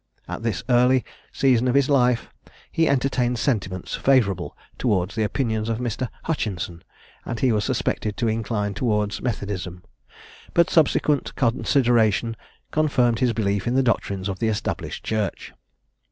At this early season of his life, he entertained sentiments favourable towards the opinions of Mr. Hutchinson, and he was suspected to incline towards Methodism; but subsequent consideration confirmed his belief in the doctrines of the Established Church.